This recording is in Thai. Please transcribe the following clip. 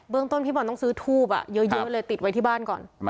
เรื่องต้นพี่บอลต้องซื้อทูบเยอะเลยติดไว้ที่บ้านก่อน